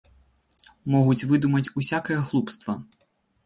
Могуць выдумаць усякае глупства.